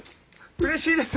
うれしいです！